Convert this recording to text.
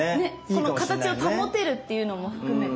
この形を保てるっていうのも含めて。